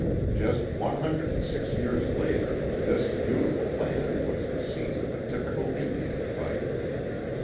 Just one hundred and six years later this beautiful land" was the scene of a typical Indian fight.